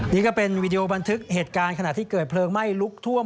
นี่ก็เป็นวีดีโอบันทึกเหตุการณ์ขณะที่เกิดเพลิงไหม้ลุกท่วม